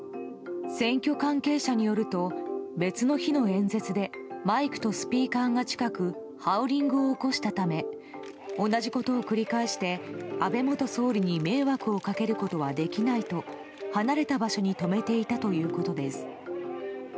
選挙関係者によると別の日の演説でマイクとスピーカーが近くハウリングを起こしたため同じことを繰り返して安倍元総理に迷惑をかけることはできないと離れた場所に止めていたということです。